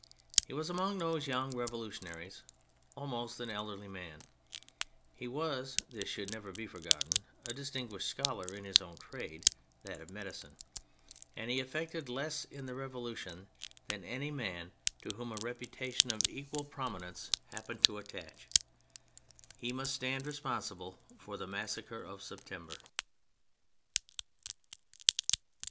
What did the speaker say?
He was, among those young revolutionaries, almost an elderly man ; he was (this should never be forgotten) a distinguished scholar in his own trade, that of medicine; and he effected less in the Revolution than any man to whom a reputation of equal promi THE CHARACTERS 77 nence happened to attach. He must stand responsible for the massacres of September.